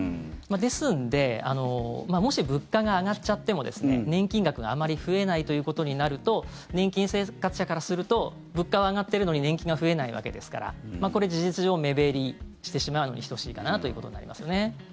ですのでもし、物価が上がっちゃっても年金額があまり増えないということになると年金生活者からすると物価は上がってるのに年金が増えないわけですからこれ、事実上目減りしてしまうのに等しいかなということになりますよね。